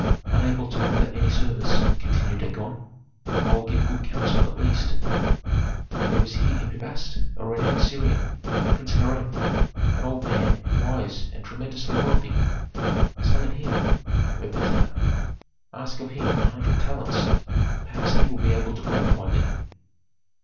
"Unable to render any service," continued Dagon, "I will give good counsel at least. There is here in Pi Bast a renowned Syrian, Prince Hiram, an old man, wise and tremendously wealthy. Summon him, Erpatr, ask of him a hundred talents; perhaps he will be able to gratify thee."